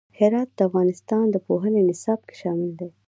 هرات د افغانستان د پوهنې نصاب کې شامل دی.